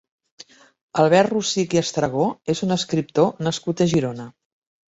Albert Rossich i Estragó és un escriptor nascut a Girona.